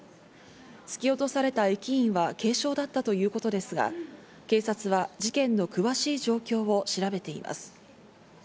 突き落とされた駅員は軽傷だったということですが、警察は事件の詳しい状況を調べています。